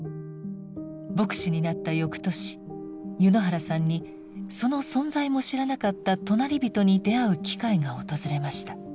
牧師になった翌年柚之原さんにその存在も知らなかった隣人に出会う機会が訪れました。